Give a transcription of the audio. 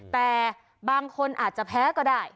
แต่บางคนอาจจะแพ้ก็ได้